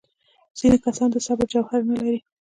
ځینې کسان د صبر جوهر نه لري.